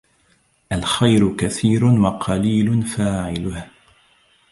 الْخَيْرُ كَثِيرٌ وَقَلِيلٌ فَاعِلُهُ